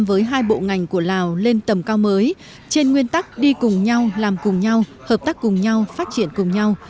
với hai bộ ngành của lào lên tầm cao mới trên nguyên tắc đi cùng nhau làm cùng nhau hợp tác cùng nhau phát triển cùng nhau